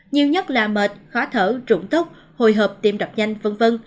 nhiều nhất là mệt khó thở rụng tốc hồi hợp tim đập nhanh v v